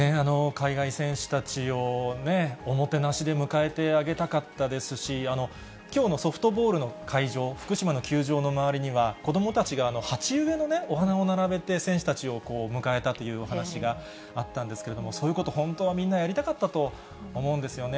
海外選手たちをね、おもてなしで迎えてあげたかったですし、きょうのソフトボールの会場、福島の球場の周りには、子どもたちが鉢植えのお花を並べて、選手たちを迎えたという話があったんですけれども、そういうこと、本当はみんなやりたかったと思うんですよね。